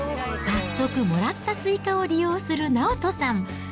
早速、もらったスイカを利用する直人さん。